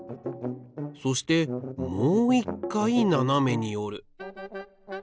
そしてもう１回ななめにおる。